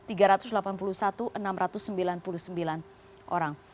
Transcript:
tiga ratus delapan puluh satu enam ratus sembilan puluh sembilan orang